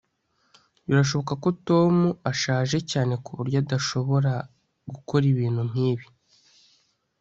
birashoboka ko tom ashaje cyane kuburyo adashobora gukora ibintu nkibi